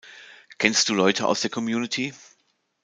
Kennst du Leute aus der Community?